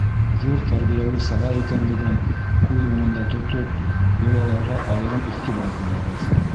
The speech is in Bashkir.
Ҙур тәрбиәүи сара икәнлеген күҙ уңында тотоп, йолаларға айырым иғтибар бүләбеҙ.